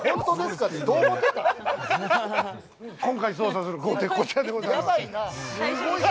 今回捜査する豪邸はこちらでございます。